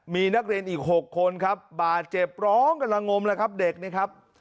มีนักเรียนอีก๖คนครับบาดเจ็บร้องกำลังงมแล้วครับเด็กนี่ครับ